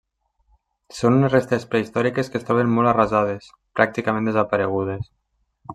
Són unes restes prehistòriques que es troben molt arrasades, pràcticament desaparegudes.